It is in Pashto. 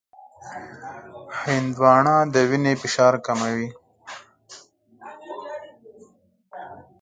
هندوانه د وینې فشار کموي.